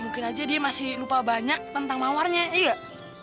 mungkin aja dia masih lupa banyak tentang mawarnya iya